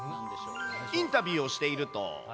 インタビューをしていると。